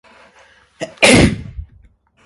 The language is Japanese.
ｋｓｓｋｓｋｋｓｋｓｋｓ